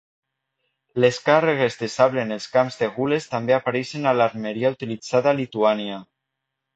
Les càrregues de sable en els camps de gules també apareixen a l'armeria utilitzada a Lituània.